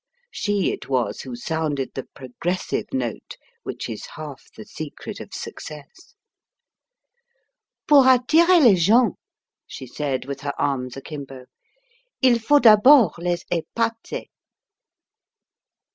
She it was who sounded the progressive note, which is half the secret of success. "Pour attirer les gens," she said, with her arms akimbo, "il faut d'abord les épater."